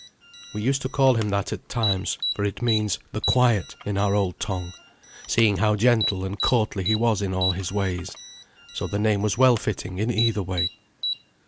We used to call him that at times for it means "the quiet" in our old tongue seeing how gentle and courtly he was in all his ways. So the name was well fitting in either way.